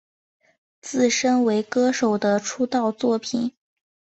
自身为歌手的出道作品。